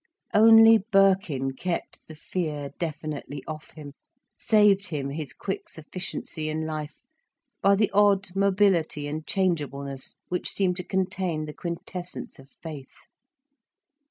Only Birkin kept the fear definitely off him, saved him his quick sufficiency in life, by the odd mobility and changeableness which seemed to contain the quintessence of faith.